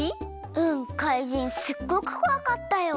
うん怪人すっごくこわかったよ！